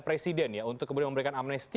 presiden ya untuk kemudian memberikan amnesti